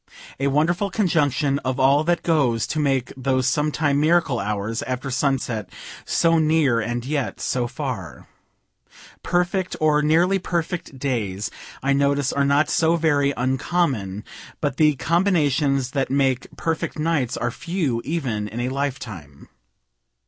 A wonderful conjunction of all that goes to make those sometime miracle hours after sunset so near and yet so far. Perfect, or nearly perfect days, I notice, are not so very uncommon; but the combinations that make perfect nights are few, even in a life time.